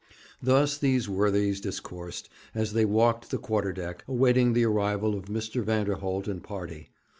Thus these worthies discoursed, as they walked the quarter deck, awaiting the arrival of Mr. Vanderholt and party.